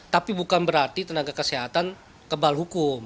tapi bukan berarti tenaga kesehatan kebal hukum